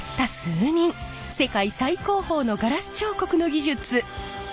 世界最高峰のガラス彫刻の技術。